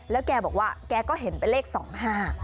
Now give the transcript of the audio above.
แล้วแกบอกว่าแกก็เห็นเป็นเลขสองห้า